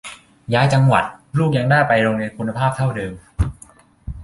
ย้ายจังหวัด ลูกยังได้ไปโรงเรียนคุณภาพเท่าเดิม